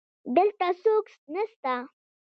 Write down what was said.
دلته څوک نسته